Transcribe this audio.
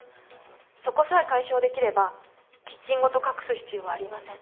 そこさえ解消できればキッチンごと隠す必要はありません。